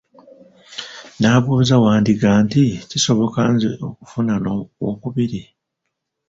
N'abuuza Wandiga nti, kisoboka nze okufuna n'okwokubiri?